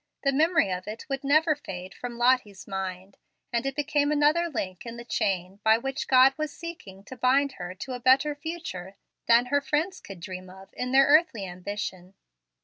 The memory of it would never fade from Lottie's mind; and it became another link in the chain by which God was seeking to bind her to a better future than her friends could dream of in their earthly ambition.